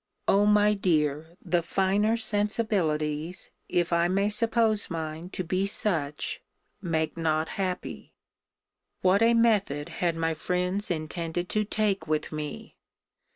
Oh! my dear! the finer sensibilities, if I may suppose mine to be such, make not happy. What a method had my friends intended to take with me!